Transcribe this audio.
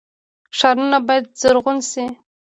ښارونه باید زرغون شي